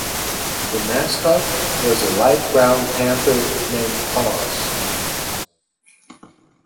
The mascot was a light brown "panther" named Paws.